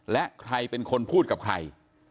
และใครเป็นคนพูดกับใคร